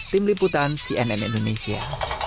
tim liputan cnn indonesia